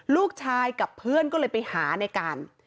ลูกชายกับเพื่อนก็เลยไปหาในการ